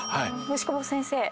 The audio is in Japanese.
牛窪先生。